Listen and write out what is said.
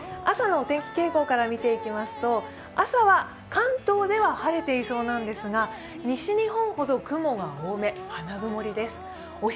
朝のお天気傾向から見ていきますと、朝は関東では晴れていそうなんですが西日本ほど雲が多め、花曇りでう。